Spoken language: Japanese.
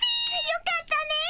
よかったね！